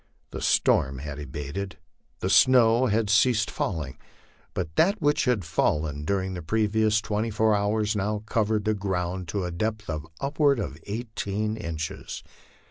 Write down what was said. The storm had abated, the snow had ceased falling, but that which had fallen during the previous twenty four hours now covered the ground to a depth of upward of eighteen inches.